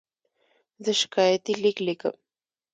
زه شکایتي لیک لیکم.